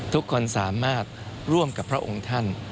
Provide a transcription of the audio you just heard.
ทุกคนสามารถร่วมกับพระองค์ท่าน